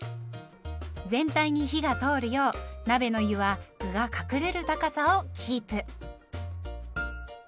全体に火が通るよう鍋の湯は具が隠れる高さをキープ。